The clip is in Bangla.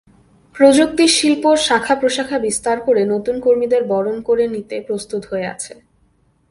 প্রযুক্তিশিল্প শাখা-প্রশাখা বিস্তার করে নতুন কর্মীদের বরণ করে নিতে প্রস্তুত হয়ে আছে।